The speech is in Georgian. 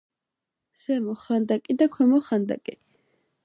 ზემო ხანდაკი და ქვემო ხანდაკი.